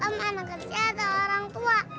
om anak kecil atau orang tua